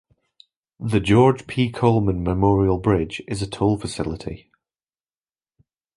The George P. Coleman Memorial Bridge is a toll facility.